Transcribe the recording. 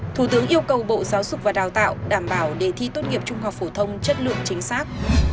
thủ tướng yêu cầu bộ giáo dục và đào tạo đảm bảo để thi tốt nghiệp trung học phổ thông chất lượng chính xác